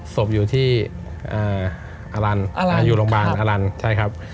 ศพอยู่ที่อลันอยู่โรงพยาบาลอลันใช่ครับ